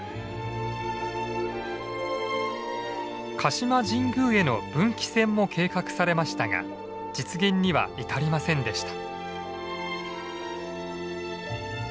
鹿島神宮への分岐線も計画されましたが実現には至りませんでした。